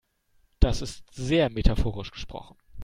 Das ist sehr metaphorisch gesprochen.